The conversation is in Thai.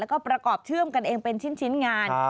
แล้วก็ประกอบเชื่อมกันเองเป็นชิ้นงาน